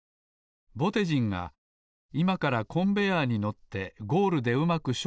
ぼてじんがいまからコンベアーに乗ってゴールでうまく正面を向くには